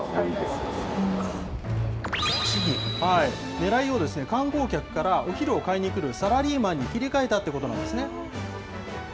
ねらいを、観光客から、お昼を買いに来るサラリーマンに切り替えたっていうことなんですね。